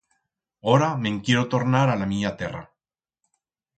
Ora me'n quiero tornar a la mía terra.